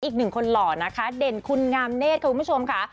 อีกหนึ่งคนหล่อนะคะเด่นคุณงามเนธคุณผู้ชมค่ะ